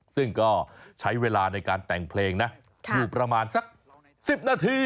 ซึ่งก็ใช้เวลาในการแต่งเพลงนะอยู่ประมาณสัก๑๐นาที